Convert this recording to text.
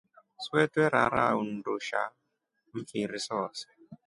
Swee twerara undusha mfiri sose.